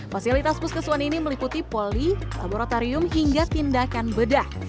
fasilitas puskesuan ini meliputi poli laboratorium hingga tindakan bedah